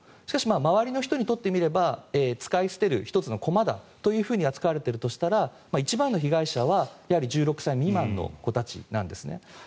しかし周りの人にとってみれば使い捨てる１つの駒だと扱われているとしたら一番の被害者は１６歳未満の子たちなんですね。